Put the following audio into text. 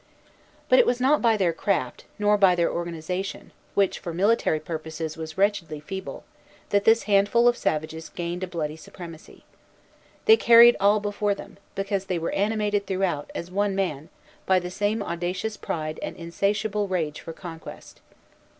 But it was not by their craft, nor by their organization, which for military purposes was wretchedly feeble, that this handful of savages gained a bloody supremacy. They carried all before them, because they were animated throughout, as one man, by the same audacious pride and insatiable rage for conquest.